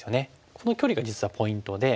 この距離が実はポイントで。